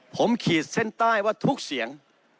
ผมขีดเส้นใต้ว่าทุกเสียง